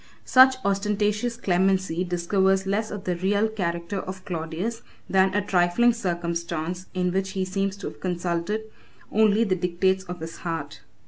] Such ostentatious clemency discovers less of the real character of Claudius, than a trifling circumstance in which he seems to have consulted only the dictates of his heart.